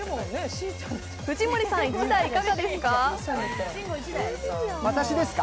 藤森さん、１台いかがですか？